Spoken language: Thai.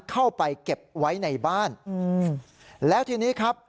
เข้าไปเก็บไว้ในบ้านอืมแล้วทีนี้ครับ